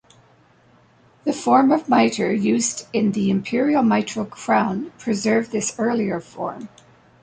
The form of mitre used in the imperial mitral crown preserved this earlier form.